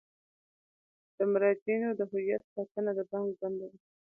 د مراجعینو د هویت ساتنه د بانک دنده ده.